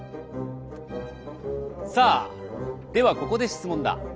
さあではここで質問だ。